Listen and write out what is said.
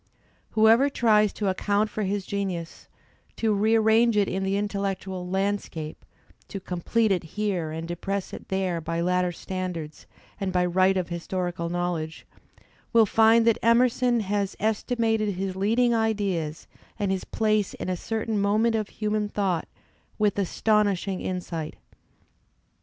Whoever tries to account for his genius, to rearrange it in the intellectual landscape, to complete it h«« and depress it there by later standards and by right of historical knowledge, will find that Emerson has estimated his leading ideas and his place in a certain moment of human thought with astonishing insight.